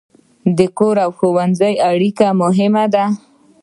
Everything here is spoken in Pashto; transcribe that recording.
د کور او ښوونځي اړیکه مهمه ده.